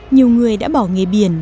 nhiều người đã bỏ nghề biển